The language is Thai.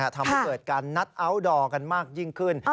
ทำให้เกิดการนัดอัลดอร์กันมากยิ่งขึ้น